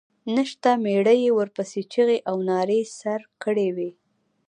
نشه مېړه یې ورپسې چيغې او نارې سر کړې وې.